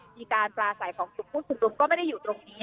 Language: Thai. มีการปลาสายของผู้ชมนุมก็ไม่ได้อยู่ตรงนี้นะคะ